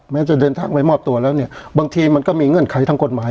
จะเดินทางไปมอบตัวแล้วเนี่ยบางทีมันก็มีเงื่อนไขทางกฎหมาย